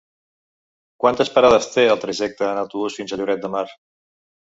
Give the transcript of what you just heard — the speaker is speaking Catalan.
Quantes parades té el trajecte en autobús fins a Lloret de Mar?